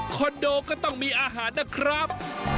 โดก็ต้องมีอาหารนะครับ